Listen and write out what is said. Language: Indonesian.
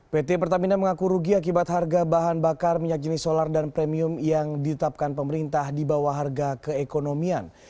pt pertamina mengaku rugi akibat harga bahan bakar minyak jenis solar dan premium yang ditetapkan pemerintah di bawah harga keekonomian